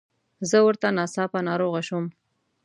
زه ورته ناڅاپه ناروغه شوم.